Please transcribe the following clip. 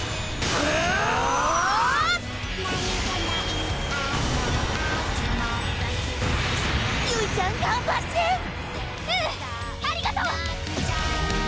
うんありがとう！